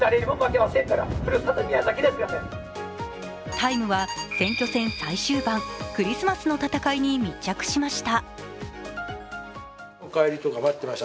「ＴＩＭＥ，」は選挙戦最終盤、クリスマスの戦いに密着しました。